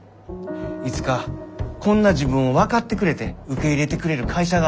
いつかこんな自分を分かってくれて受け入れてくれる会社があるはず。